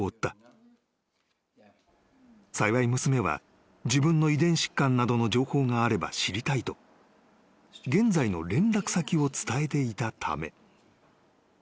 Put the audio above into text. ［幸い娘は自分の遺伝疾患などの情報があれば知りたいと現在の連絡先を伝えていたため］